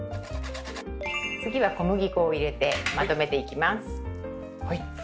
次は小麦粉を入れてまとめていきます。